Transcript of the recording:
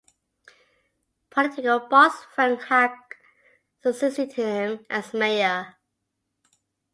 Political boss Frank Hague succeeded him as mayor.